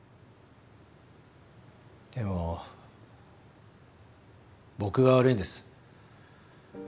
でも僕が悪いんです。